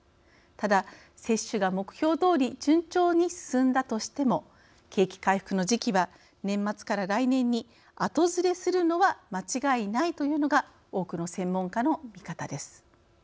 ただ接種が目標どおり順調に進んだとしても景気回復の時期は年末から来年に後ずれするのは間違いないというのが多くの専門家の見方です。